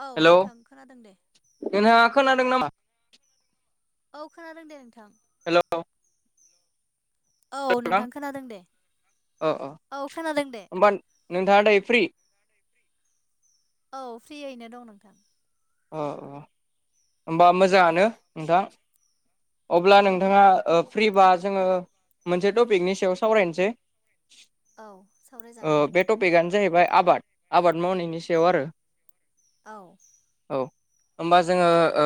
औ हेलौ नोंथां खोनादों दे नोंथाङा खोनादों नामा? औ खोनादों दे नोंथां। हेलौ औ खोनादोना नोंथां खोनादों दे अ अ औ खोनादों दे होमबा नोंथाङा दायो फ्रि? औ फ्रियैनो दं नोंथां। अ अ होमबा मोजाङानो नोंथां। अब्ला औ नोंथाङा ओ फ्रिबा जोङो मोनसे टपिकनि सायाव सावरायनोसै। औ सावरायजागोन नोंथां। तपिकआनो जाहैबाय आबाद। आबाद मावनायनि सायाव आरो औ। औ होमबा जोङो ओ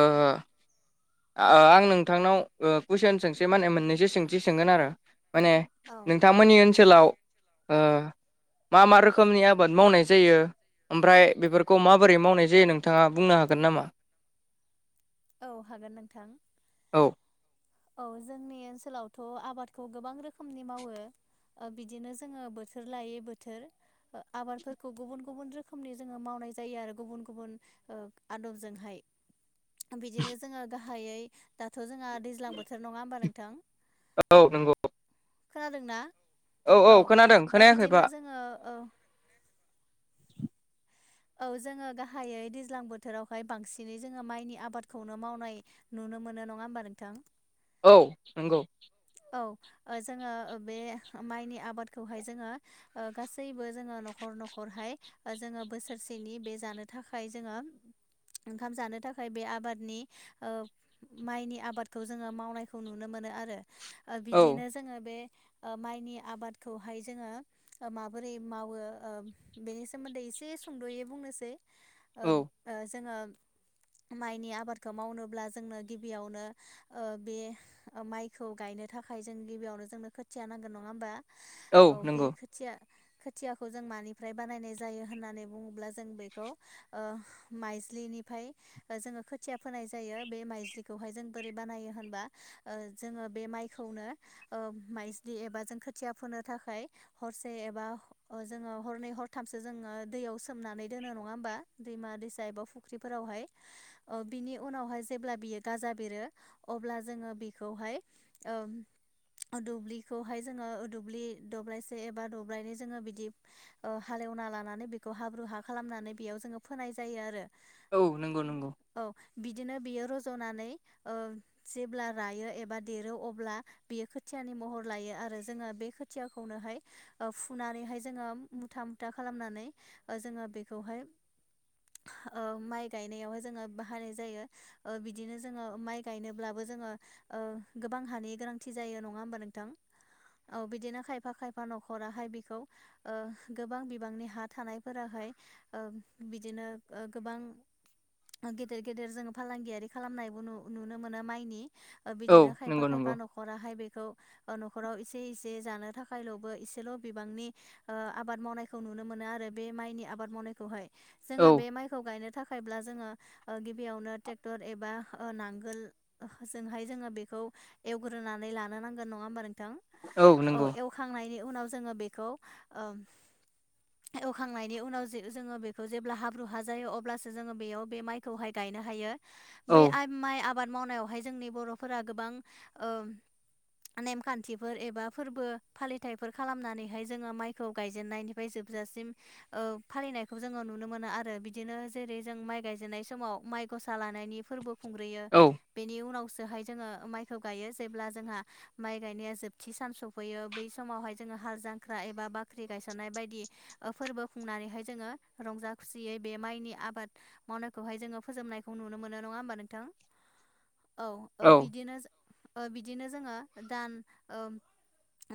आं नों नोंथांनाव ओ कुइस सोंनोसै माने मोननैसो सोंथि सोंगोन आरो माने औ नोंथां थांमोननि ओनसोलाव मा-मा रोखोमनि आबाद मावनाय जायो। ओमफ्राय बेफोरखौ माबोरै मावनाय जायो नोंथाङा बुंनो हागोन नामा? औ हागोन नोंथां। औ। औ जोंनि ओनसोलावथ' आबादखौ गोबां रोखोमनि मावो। ओ बिदिनो जोङो बोथोर लायै बोथोर आबादफोरखौ गुबुन गुबुन रोखोमनि जोङो मावनाय जायो आरो गुबुन गुबुन ओ आदबजोंहाय। बिदिनो जोङो गाहायै दाथ' जोंहा दैज्लां बोथो- थोर नङा होमबा नोंथां? औ नंगौ। खोनादोंना? औ ओ बिदिनो जोङो औ औ जोङो गाहायै दैज्लां बोथोरावहाय बांसिनै जोङो माइनि आबादखौनो मावनाय नुनो मोनो नङा होमबा नोंथां? औ नंगौ। औ ओ जोङो बे माइनि आबादखौहाय जोङो ओ गासैबो जोङो न'खर न'खरहाय जोङो बोसोरसेनि बे जानो थाखाय जोङो ओंखाम जानो थाखाय बे आबादनि ओ माइनि आबादखौ जोङो मावनायखौ नुनो मोनो आरो ओ औ बिदिनो जोङो बे ओ माइनि आबादखौहाय जोङो माबोरै मावो ओ बेनि सोमोन्दै एसे- सुंद'यै बुंनोसै ओ औ ओ जोङो माइनि आबादखौ मावनोब्ला जोंनो गिबियावनो ओ बे माइखौ गायनो थाखाय जों गिबियावनो जोंनो खोथिया नांगोन। नङा होमबा? औ बे खोथिया खोथियाखौ जों मानिफ्राय बानायनाय जायो होननानै बुङोब्ला जों बेखौ ओ माइज्लिनिफ्राय जोङो खोथिया फोनाय जायो बे माइज्लिखौहाय जों बोरै बानायो होनबा। जोङो बे माइ- खौनो ओ माइज्लि एबा जों खोथिया फोनो थाखाय हरसे एबा जोङो हरनै हरथामसो जोङो दैयाव सोमनानै दोनो नङा होमबा? दैमा-दैसा एबा फुख्रिफोरावहाय ओ बिनि उनावहाय जेब्ला बियो गाजा बेरो अब्ला जोङो बिखौहाय ओम दुब्लिखौहाय जोङो दुब्लि दब्लायसे एबा दब्लायनै जोङो बिदि ओ हालेवना लानानै बेखौ हाब्रु हा खालामनानै बेयाव जोङो फोनाय जायो आरो। औ नंगौ नंगौ। औ बिदिनो बियो रज'नानै ओ जेब्ला रायो एबा देरो अब्ला बियो खोथियानि महर लायो आरो जोङो बे खोथियाखौनोहाय ओ फुनानैहाय जोङो मुथा मुथा खालामनानै ओ जोङो बेखौहाय ओ माइ गायनायावहाय जोङो बाहायनाय जायो। ओ बिदिनो जोङो माइ गायनोब्लाबो जोङो ओ गोबां हानि गोनांथि जायो। नङा होमबा नोंथां? औ बिदिनो खायफा-खायफा न'खराहाय बिखौ ओ गोबां बिबांनि हा- थानायफोराहाय ओ बिदिनो गोबां गेदेर गेदेर जोङो फालांगियारि खालामनायबो नु-नुनो मोनो माइनि औ बिदिनो खायफा नंगौ खायफा नंगौ न'ख- न'खराहाय बेखौ ओ न'खराव एसे इसे जानो थाखायल'बो एसेल' बिबांनि ओ आबाद मावनायखौ नुनो मोनो आरो बे माइनि आबाद मावनायखौहाय। औ जोङो बे माइखौ गायनो थाखाय- ब्ला जोङो गिबियावनो ट्रेक्टर एबा ओ नांगोल ओ हजोंहाय जोङो बेखौ एवग्रोनानै लानो नांगोन नङा होमबा नोंथां? औ एवखांनायनि उनाव जोङो बेखौ ओ एवखांनायनि उनाव जे जोङो बेखौ जेब्ला हाब्रु हा जायो अब्लासो जोङो बेयाव बे माइखौहाय गायनो हायो। औ बे माइ आबाद मावनायावहाय जोंनि बर'फोरा गोबां नेमखान्थिफोर एबा फोरबो फालिथायाइफोर खालामनानैहाय जोङो माइखौ गायजेननायनिफ्राय जोब जासिम फालिनायखौ जोङो नुनो मोनो आरो बिदिनो जेरै जों माइ गायजेननाय समाव माइ गसा लानायनि फोरबो खुंग्रोयो औ बेनि उनावसोहाय जोङो माइ खौ गायो जेब्ला जोंहा माइ गायनाया जोबथि साम सफैयो बै समावहाय जोङो हाल जांख्रा एबा बा फाख्रि गायसननाय बायदि फोरबो खुंनानैहाय जोङो रंजा खुसियै बे माइनि आबाद मावनायखौहाय जोङो फोजोबनायखौ नुनो मोनो नङा होमबा नोंथां [inaudible] औ बिदिनो बिदिनो जोङो दान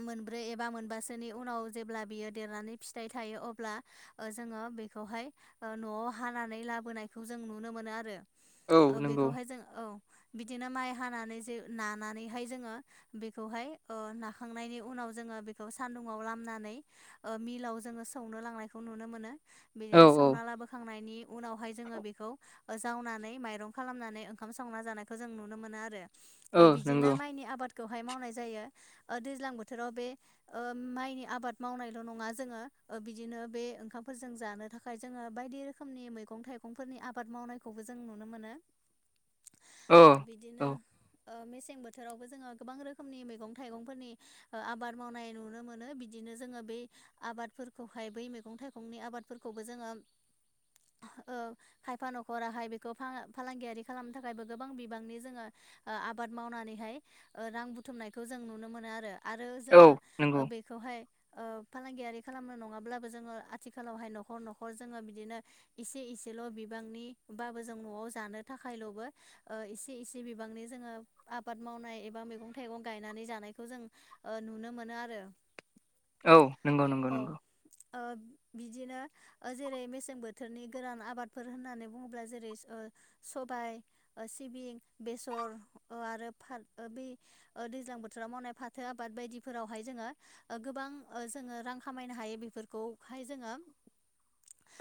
मोनब्रै एबा मोनबासोनि उनाव जेब्ला बियो देरनानै फिथाइ थायो अब्ला ओ जोङो बेखौहाय न'आव हानानै लाबोनायखौ जों नुनो मोनो आरो औ ओ नंगौ बेखौहाय जों औ बिदिनो माइ हानानै जे नानानैहाय जोङो बेखौहाय ओ नाखांनायनि उनाव जोङो बेखौ सान्दुुंआव लामनानै ओ मिलाव जोङो सौनो लांनायखौ नुनो मोनो औ बिदिनो औ सौना लाबोखांनायनि उनावहाय जोङो बेखौ जावनानै माइरं खालामनानै ओंखाम संना जानायखौ जों नुनो मोनो आरो। ओ औ बिदिनो नंगौ माइनि आबाद- खौहाय मावनाय जायो। ओ दैज्लां बोथोराव बे ओ माइनि आबाद मावनायल' नङा जोङो ओ बिदिनो बे ओंखामफोरजों जानो थाखाय जोङो बायदि रोखोमनि मैगं-थाइगं मैगंफोरनि आबाद मावनायखौबो जों नुनो मोनो। [inaudible] औ ओ औ बिदिनो ओ मेसें बोथोरावबो जोङो गोबां रोखोमनि मैगं थाइगंफोरनि आबाद मावनाय नुनो मोनो बि दिनो जोङो बै आबादफोरखौहाय बै मैगं थाइगंनि आबादफोरखौबो जोङो ओ खायफा न'खराहाय बेखौ फां-फालांगियारि खालामनो थाखायबो गोबां बिबांनि जोङो ओ आबाद मावनानै हाय ओ रां बुथुमनायखौ नुनो मोनो आरो आरो औ जोङो नंगौ बेखौहाय ओ फालांगियारि खालामनो नङाब्लाबो जोङो आथिखालावहाय न'खर-न'खर जोङो बिदिनो इसे-इसेल' बिबांनि बाबो जों न'आव जानो थाखायल'बो ओ एसे-एसे ओ नुनो मोनो आरो औ औ नंगौ-नंगौ-नंगौ ओ बिदिनो ओ जेरै मेसें बोथोरनि गोरान आबादफोर होननानै बुङोब्ला जेरै सो ओ सबाय ओ सिबिं बेसर ओ आरो फार बै ओ दैज्लां बोथोराव मावनाय फाथो आबाद बायदिफोरावहाय जोङो ओ गोबां जोङो रां खामायनो हायो बेफोरखौहाय जोङो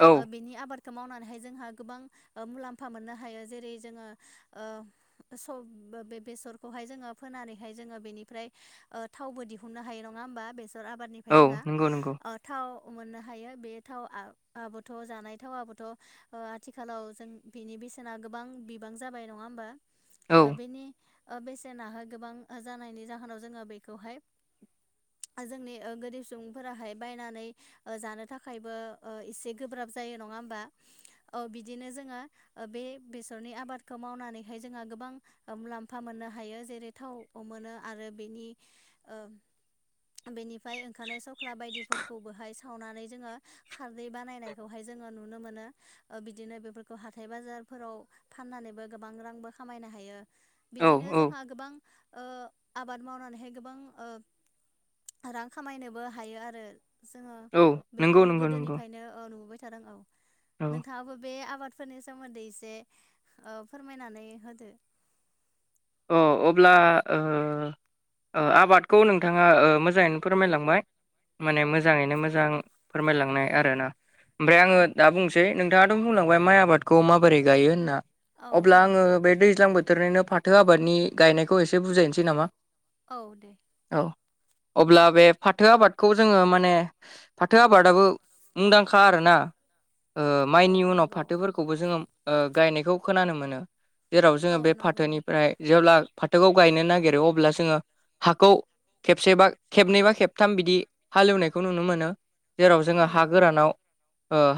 औ बिनि आबाद खौ मावनानैहाय जोंहा गोबां ओ मुलाम्फा मोननो हायो जेरै जोङो [unintelligible] थावबो दिहुननो हायो नङा होमबा बेसर आबादनिफ्राय औ जोंङो नंगौ नंगौ ओ थाव मोननो हायो बे थावआ आबोथ' जानाय थाव आबोथ' ओ आथिखालाव जों बिनि बेसेना गोबां बिबां जाबाय नङा होमबा औ ओ बेनि ओ बेसेनाहाय गोबां जानायनि जाहोनाव जोङो बेखौहाय जोंनि ओ गोरिब सुबुंफोराहाय बायनानै जानो थाखायबो ओ एसे गोब्राब जायो नङा होमबा बिदिनो जोङो बे बेसरनि आबादखौ मावनानैहाय जोंहा गोबां ओ मुलाम्फा मोननो हायो जेरै थाव मोनो आरो बेनि ओ बेनिफ्राय ओंखारनाय सख्ला बायदिफोरखौबोहाय सावनानै जोङो खारदै बानायनायखौहाय जोङो नुनो मोनो ओ बिदिनो बे खौ हाथाइ बाजारफोराव फाननानैबो गोबां रांबो खामायनो हायो। औ बिदिनो औ जोंहा गोबां ओ आबाद मावनानैहाय गोबां ओ रां खामायनोबो हायो आरो जोङो औ बेखौ नंगौ नंगौ नंगौ गोदोनिफ्रायनो ओ नुबोबाय थादों औ औ नोंथाङाबो बे आबादफोरनि सोमोन्दै एसे ओ फोरमायनानै होदो। अ अब्ला ओ ओ आबादखौ नोंथाङा ओ मोजाङैनो फोरमायलांबाय माने औ मोजाङैनो मोजां फोरमायलांनाय आरो ना ओमफ्राय आङो औ दा बुं सै नोंथाङाथ' बुंलांबाय माइ आबादखौ माबोरै गायो होनना औ अब्ला औ आङो बे दैज्लां बोथोरनिनो फाथो आबादनि गायनायखौ एसे बुजायनोसै नामा औ दे औ अब्ला बे फाथो आबादखौ जोङो माने फाथो आबादाबो मुंदांखा आरोना ओ औ माइनि उनाव नंगौ फाथोफोर खौबो जोंङो गायनाय खोनानो मोनो जेराव जोंङो औ बे नंगौ फाथोनि फ्राय जेब्ला फाथोखौ गायनो नागिरो अब्ला जोङो हाखौ खेबसेबा खेबनैबा खेबथाम बिदि हालेवनायखौ नुनो मोनो जेराव जोङो हा औ गोरानाव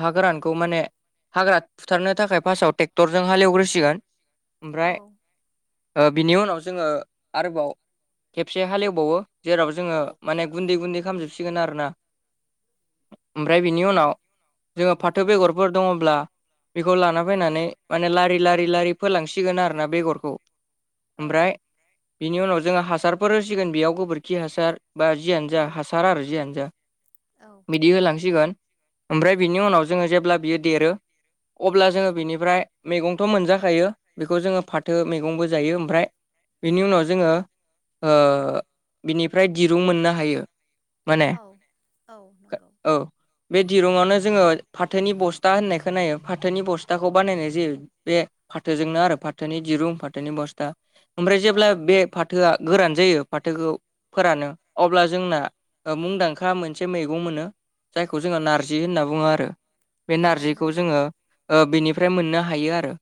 हा गोरानखौ माने हाग्रा फुथारनो थाखाय फास्टाआव ट्रेक्टरजों हालेवग्रोसिगोन ओमफ्राय औ ओ बिनि उनाव जोङो आरोबाव खेबसे हालेवबावो जेराव जोङो माने गुन्दै गुन्दै खालामामजोबसिगोन आरो ना ओमफ्राय बिनि उनाव उम जोङो फाथो औ बेगरफोर दङब्ला बेखौ लाना फैनानै माने लारि लारि लारि फोलांसिगोन आरोना बेगर खौ औ ओमफ्राय बिनि उनाव जोङो हासारफोर होसिगोन बेयाव गोबोरखि हासार बा जियानो जा औ हासारा आरो जियानो जा औ बिदि होलांसिगोन ओमफ्राय बिनि उनाव जोङो जेब्ला बियो देरो। अब्ला जोङो बिनिफ्राय मैगंथ' मोनजाखायो बेखौ जोङो फा थो मैगंबो जायो ओमफ्राय बिनि उनाव जोङो ओ बिनिफ्राय दिरुं मोननो हायो माने औ औ नंगौ औ बे दिरुंआवनो जोङो फाथोनि बस्था होननायखौ नायो फाथोनि बस्थाखौ बानायनाय जायो। बे फाथोजोंनो आरो फाथोनि दिरुं फाथोनि बस्था ओमफ्राय औ जेब्ला बे फा थोआ गोरान जायो फाथोखौ फोरानो अब्ला जोंना मुंदांखा मोनसे मैगं मोनो जायखौ जोङो नारजि होनना बुङो आरो बे औ नारजिखौ नंगौ जोङो ओ बेनिफ्राय मोननो हायो आरो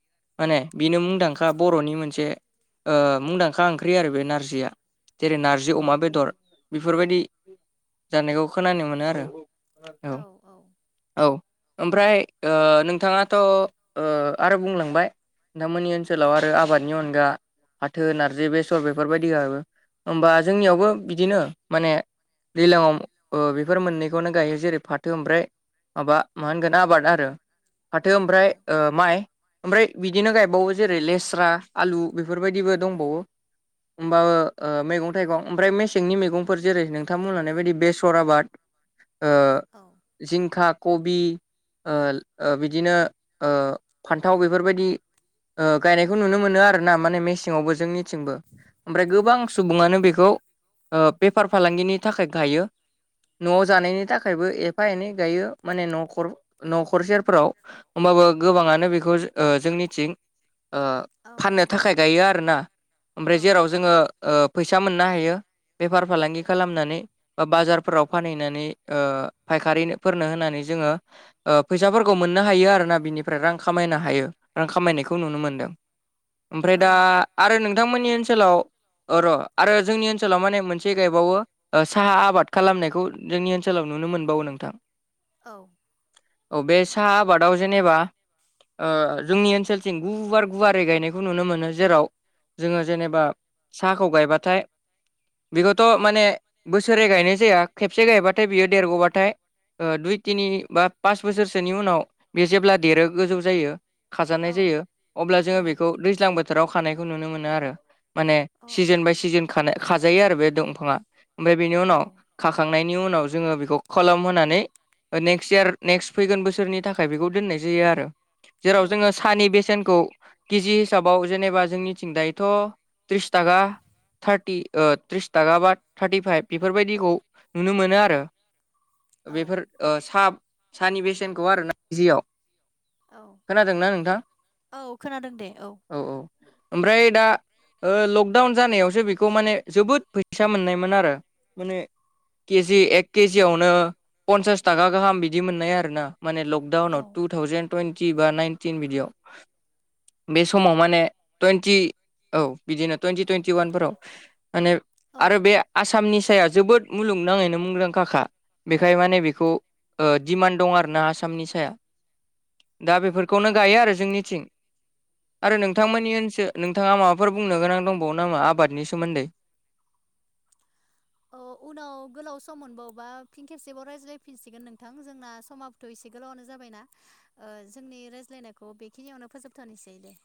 माने बेनो मुंदां खा बर'नि मोनसे ओ मुंदांखा ओंख्रि आरो बे नारजिया जेरै नारजि औ अमा बेदर बेफोरबायदि जानायखौ खोनानो मोनो आरो औ औ ओमफ्राय ओ नोंथाङाथ' ओ आरो बुंलांबाय नोंथांमोननि ओनसोलाव आरो आबादनि अनगा फाथो नारजि बेसर बेफोरबायदिाबो होमबा जोंनियावबो बिदिनो माने बिलं औ ओ बेफोर मोननैखौनो गायो जेरै फाथो ओमफ्राय माबा मा होनगोन ना आबाद आरो फाथो औ ओमफ्राय ओ माइ ओमफ्राय बिदिनो गायबावो। जेरै लेस्रा आलु बेफोरबायदिबो दंबावो। होमबाबो ओ मैगं-थाइगं ओमफ्राय मेसेंनि मैगंफोर जेरै नोंथांमोनानाय बायदि बेसर आबाद ओ औ जिंखा, कबि ओ ओ बिदिनो ओ फान्थाव बेफोरबायदि ओ गायनायखौ नुनो मोनो आरो ना माने मेसेंावबो जोंनि थिंबो ओमफ्राय गोबां सुबुङानो बेखौ ओ बेफार फालांगिनि थाखाय गायो। न'आव जानायनि थाखायबो एफा एनै गायो माने नख न'खरसे फोराव होमबाबो गोबाङानो बेखौ जो ओ जोंनिथिं फाननो थाखाय गायो आरोना औ ओमफ्राय जेराव जोङो फैसा मोननो हायो। बेफार फालांगि खालामनानै बा-बाजारफोराव फानहैनानै ओ फायखारिनो फोरनो होनानै जोङो ओ फैसाफोरखौ मोननो हायो आरो ना बिनिफ्राय रां खामायनो हायो रां खामायनायखो खौ नुनो मोनदों ओमफ्राय दा आरो नोंथांमोननि ओनसोलाव अ र' आरो जोंनि ओनसोलाव माने मोनसे गायबावो। साहा आबाद खालामनायखौ जोंनि ओनसोलाव नुनो मोनबावो नोंथां। औ औ बे साहा आबादाव जेनेबा जोंनि ओ ओनसोल जों गुवार गुवारै गायनायखौ नुनो मोनो जेराव जोङो जेनेबा साहाखौ गायबाथाय बेखौथ' माने बोसोरै गायनाय जाया खेबसे गायबाथाय बियो देरग'बाथाय दुइ तिनि बा पास बोसोरसोनि उनाव बे जेब्ला देरो गोजौ जायो खाजा औ जायो अब्ला औ जोङो बेखौ दैज्लां बोथोराव खानायखौ नुनो मोनो आरो माने औ सिजोन बाय सिजोन खाजायो आरो बे दंफाङा ओमफाय बेनि औ उनाव खाखांनायनि उनाव जोङो बेखौ खलम होनानै नेक्स्ट इयार नेक्स्ट फैगोन बोसोरनि थाखाय बेखौ दोननाय जायो आरो जेराव जोङो साहानि बेसेनखौ केजि हिसाबाव जेनेबा जोंनिथिं दायोथ' त्रिस थाका थारटि ओ थ्रिस थाखा बा थार्टि फाइभ बेफोरबायदिखौ नुनो मोनो आरो औ बेफोर ओ साह-साहानि बेसेनखौ आरोना। जियाव औ खोनादोंना नों औ खोनादों दे औ। औ-औ ओमफ्राय दा लकडाउन जानायावसो बेखौ माने जोबोद फैसा मोननायमोन आरो माने केजि एक केजियावनो पन्सास थाखा गाहाम बिदि मोननाय आरो ना माने लक औ दावनाव टु थावजेन टुइनटि बा नाइनटिन बिदियाव। बे समाव माने टुइन्टि औ बिदिनो टुइन्टि टुइन्टि ववानफोराव माने औ आरो बे आसामनि साया जोबोद मुलुगनाङैनो मुंदांखाखा। बेखाय माने बेखौ ओ दिमान्ड दं आरोना आसामनि साया दा बेफोर खौनो औ गायो आरो जोंनिथिं आरो औ नोंथांमोननि ओनसो नोंथाङा माबाफोर बुंनो गोनां दंबावो नामा आबादनि सोमोन्दै? अ उनाव गोलाव सम मोनबावबा फिन खेबसेबाव रायज्लायफिनसिगोन नोंथां जोंना समा थ' एसे गोलावनो जाबायना ओ जोंनि रायज्लायनायखौ बेखिनियावनो फोजोबथ'नोसै दे।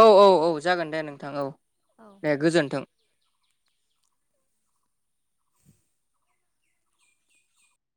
औ-औ-औ जागोन दे नोंथां औ औ दे गोजोन्थों। [inaudible]